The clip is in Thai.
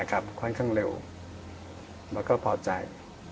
ค่อนข้างเร็วแล้วก็พอใจ